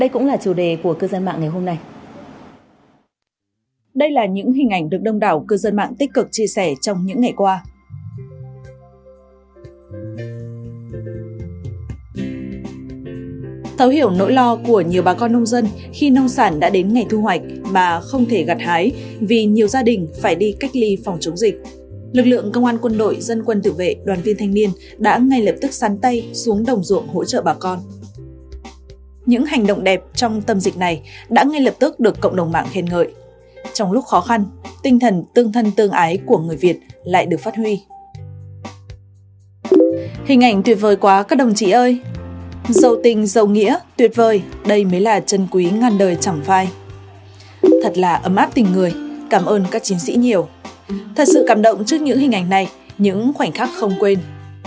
các chiến sĩ nhiều thật sự cảm động trước những hình ảnh này những khoảnh khắc không quên